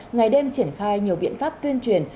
ngày đêm triển khai nhiều biện pháp tuyên truyền